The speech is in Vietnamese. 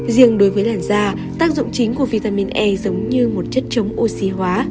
riêng đối với làn da tác dụng chính của vitamin e giống như một chất chống oxy hóa